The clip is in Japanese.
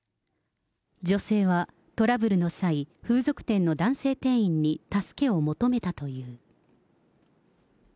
女性はトラブルの際、風俗店の男性店員に助けを求めたという。